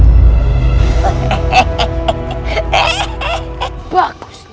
dapatkan perbuatan indonesianiah